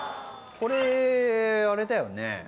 これあれだよね？